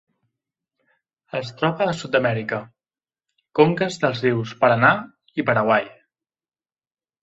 Es troba a Sud-amèrica: conques dels rius Paranà i Paraguai.